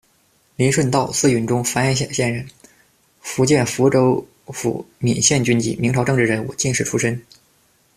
林舜道，字允中，怀安县人，福建福州府闽县军籍，明朝政治人物、进士出身。